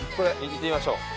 いってみましょう。